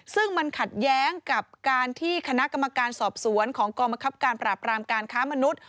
ซึ่งมันขัดแย้งกับการที่คณะกรรมการสอบสวนของกรมคับการปราบรามการค้ามนุษย์